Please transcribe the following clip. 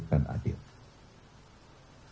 yang namanya pemilu yang jujur dan adil